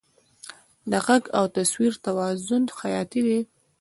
د غږ او تصویر توازن حیاتي دی.